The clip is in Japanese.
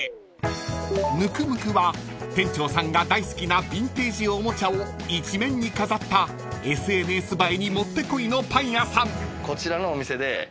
［ｎｕｋｕｍｕｋｕは店長さんが大好きなビンテージおもちゃを一面に飾ったＳＮＳ映えにもってこいのパン屋さん］